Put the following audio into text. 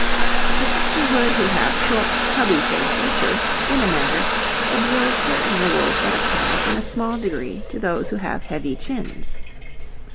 The sisterhood who have short, chubby faces should, in a measure, observe certain rules that apply in a small degree to those who have heavy chins.